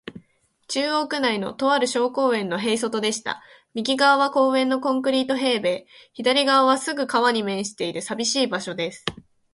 中央区内の、とある小公園の塀外へいそとでした。右がわは公園のコンクリート塀べい、左がわはすぐ川に面している、さびしい場所です。